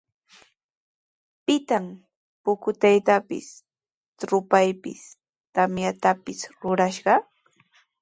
¿Pitaq pukutaypis, rupaypis, tamyatapis rurallashqa?